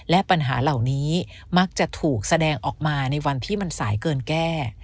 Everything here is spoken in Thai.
และปัญหาเหล่านี้มักจะถูกแสดงออกมาในวันที่มันสายเกินแก้